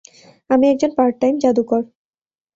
আমি একজন পার্ট-টাইম জাদুকর।